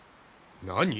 何！